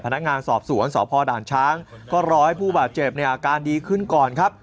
พนักงานสอบสวนสพด่านช้างก็รอให้ผู้บาดเจ็บเนี่ยอาการดีขึ้นก่อนครับ